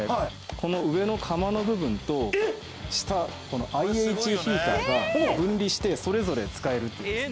この上の釜の部分と下このＩＨヒーターが分離してそれぞれ使えるっていうですね。